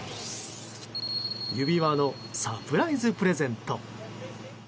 指輪のサプライズプレゼント。